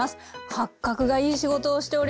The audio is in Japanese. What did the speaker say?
八角がいい仕事をしております。